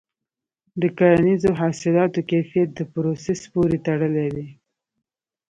د کرنیزو حاصلاتو کیفیت د پروسس پورې تړلی دی.